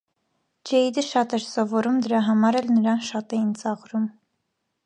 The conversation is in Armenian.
Ջեյդը շատ էր սովորում դրա համար էլ նրան շատ էին ծաղրում։